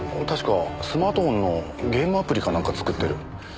確かスマートフォンのゲームアプリかなんか作ってる。